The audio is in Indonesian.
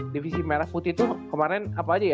divisi merah putih tuh kemaren apa aja ya